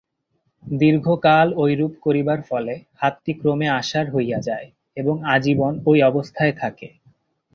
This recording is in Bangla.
দীর্ঘকাল ঐরূপ করিবার ফলে হাতটি ক্রমে অসাড় হইয়া যায় এবং আজীবন ঐ অবস্থায় থাকে।